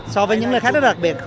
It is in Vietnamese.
so với những lễ khác rất là đặc biệt